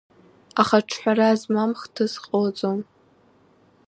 Аха ҿҳәара змам хҭыс ҟалаӡом.